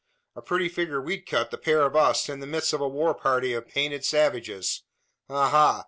A pretty figure we'd cut the pair of us in the midst of a war party of painted savages! Ha! ha!